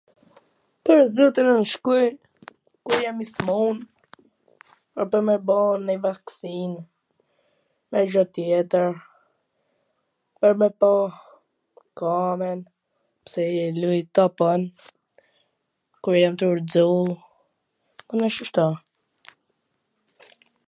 Pwr zotin un shkoj kur jam i smun, edhe me ba nonj vaksin, e zha tjetwr, pwr me pa kohwn, pse luj top un, kur jam tu u rrxu, mana shishto.